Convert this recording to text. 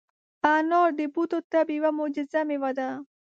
انار د بوټو طب یوه معجزه مېوه ده.